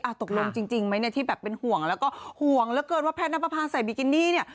ตกลงจริงไหมเนี่ยที่แบบเป็นห่วงแล้วก็ห่วงเหลือเกินว่าแพทย์นับประพาใส่บิกินี่เนี่ย